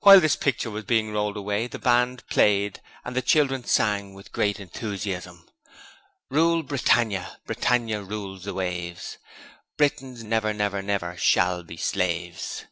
While this picture was being rolled away the band played and the children sang with great enthusiasm: 'Rule, Brittania, Brittania rules the waves! Britons, never, never, never shall be slaves!'